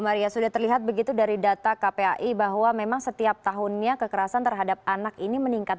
maria sudah terlihat begitu dari data kpai bahwa memang setiap tahunnya kekerasan terhadap anak ini meningkat